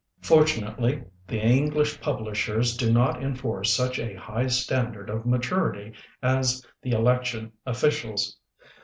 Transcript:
Fortunately the English publishers do not enforce such a high stand ard of maturity as the election officials.